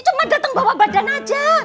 cuma datang bawa badan aja